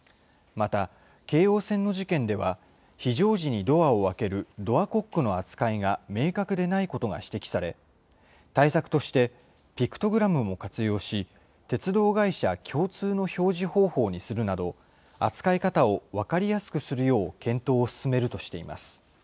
また京王線の事件では、非常時にドアを開けるドアコックの扱いが明確でないことが指摘され、対策として、ピクトグラムも活用し、鉄道会社共通の表示方法にするなど、扱い方を分かりやすくするよう、検討を進めるとしています。